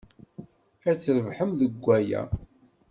Ad trebḥem deg waya.